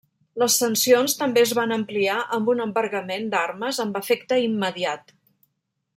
Les sancions també es van ampliar amb un embargament d'armes amb efecte immediat.